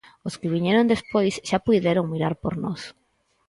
Os que viñeron despois xa puideron mirar por nós.